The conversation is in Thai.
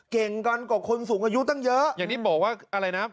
เก่งกันกว่าคนสูงอายุตั้งเยอะอย่างที่บอกว่าอะไรนะ